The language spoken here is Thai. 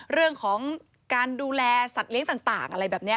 เรื่องของการดูแลสัตว์เลี้ยงต่างอะไรแบบนี้